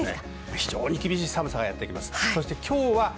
非常に厳しい寒さがやってきます。